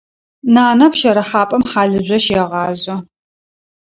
Нанэ пщэрыхьапӏэм хьалыжъо щегъажъэ.